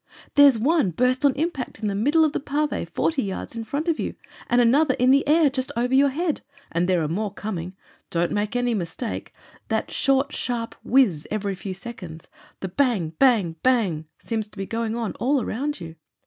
There's one burst on impact in the middle of the pave forty yards in front of you, and another in the air just over your head. And there are more coming— don't make any mistake. That short, sharp whizz every few seconds — ^the bang ! bang ! bang ! seems to be going on all around you.